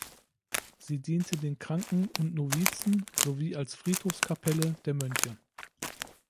Sie diente den Kranken und Novizen sowie als Friedhofskapelle der Mönche.